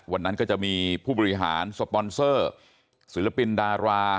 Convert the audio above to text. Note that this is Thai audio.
วันนั้นก็จะมีผู้บริหารสปอนเซอร์ศิลปินดารา